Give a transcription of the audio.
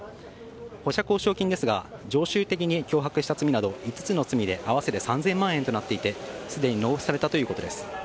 保釈保証金ですが常習的に脅迫した罪など５つの罪で、合わせて３０００万円となっていてすでに納付されたということです。